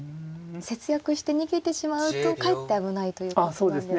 節約して逃げてしまうとかえって危ないということなんですか。